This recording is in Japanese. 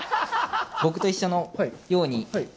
僕と一緒のように。